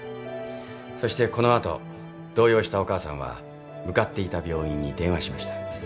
そしてこの後動揺したお母さんは向かっていた病院に電話しました。